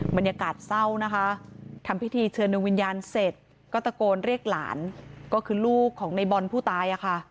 บรรยากาศเศร้านะคะทำพิธีเชิญดวงวิญญาณเสร็จก็ตะโกนเรียกหลานก็คือลูกของในบอลผู้ตาย